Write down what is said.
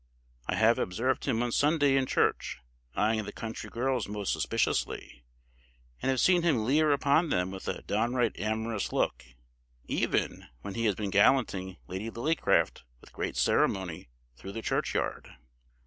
I have observed him on Sunday in church eyeing the country girls most suspiciously; and have seen him leer upon them with a downright amorous look, even when he has been gallanting Lady Lillycraft with great ceremony through the churchyard.